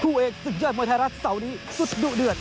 เอกศึกยอดมวยไทยรัฐเสาร์นี้สุดดุเดือด